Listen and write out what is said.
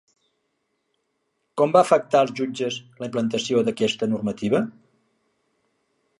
Com va afectar els jutges la implantació d'aquesta normativa?